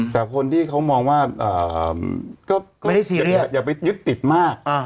แต่คนที่เขามองว่าก็อย่าไปยึดติดมาก